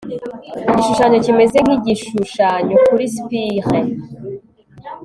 Igishushanyo kimeze nkigishushanyo kuri spire